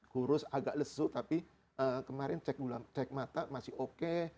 hurus agak lesu tapi kemarin cek mata masih oke